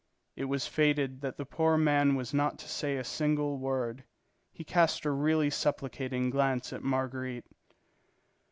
It was fated that the poor man was not to say a single word. He cast a really supplicating glance at Marguerite.